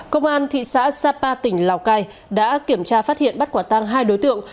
công an thị xã sapa tỉnh lào cai đã kiểm tra phát hiện bắt quả tăng hai đối tượng